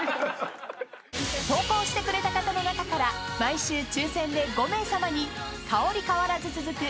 ［投稿してくれた方の中から毎週抽選で５名さまに香り変わらず続く